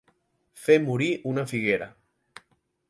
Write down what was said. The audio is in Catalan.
Fer morir una figuera.